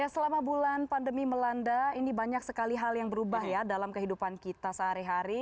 selama bulan pandemi melanda ini banyak sekali hal yang berubah ya dalam kehidupan kita sehari hari